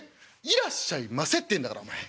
『いらっしゃいませ』ってんだからお前」。